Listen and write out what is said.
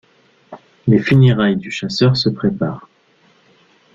Les funérailles du chasseur se préparent.